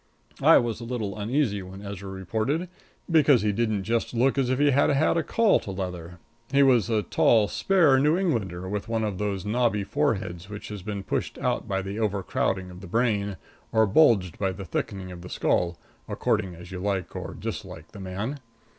I was a little uneasy when Ezra reported, because he didn't just look as if he had had a call to leather. He was a tall, spare New Englander, with one of those knobby foreheads which has been pushed out by the overcrowding of the brain, or bulged by the thickening of the skull, according as you like or dislike the man.